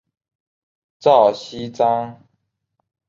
赵锡章。